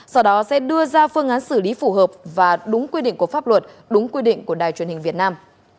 sau đó sẽ đưa ra phương án xử lý phù hợp và đúng quy định của pháp luật đúng quy định của đài truyền hình việt nam